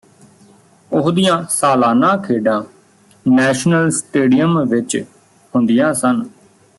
ਉਹਦੀਆਂ ਸਾਲਾਨਾ ਖੇਡਾਂ ਨੈਸ਼ਨਲ ਸਟੇਡੀਅਮ ਵਿਚ ਹੁੰਦੀਆਂ ਸਨ